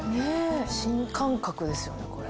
新感覚ですよねこれ。